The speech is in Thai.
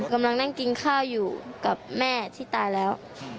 กำลังนั่งกินข้าวอยู่กับแม่ที่ตายแล้ว